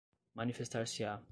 manifestar-se-á